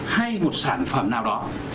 hay một sản phẩm nào đó